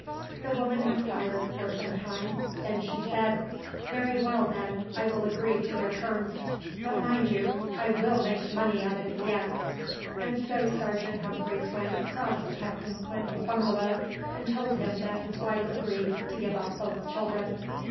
The woman was silent for some time, then she said, "Very well, then, I will agree to their terms; but mind you, I will make money out of it yet." And so Sergeant Humphreys went across to Captain Clinton's bungalow and told him that his wife agreed to give up both children.